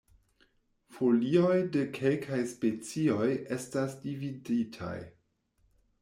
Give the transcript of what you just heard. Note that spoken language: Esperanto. Folioj de kelkaj specioj estas dividitaj.